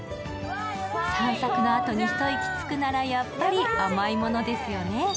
散策のあとに一息つくならやっぱり甘いものですよね。